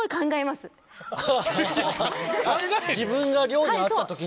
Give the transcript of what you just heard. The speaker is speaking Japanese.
自分がに会った時に。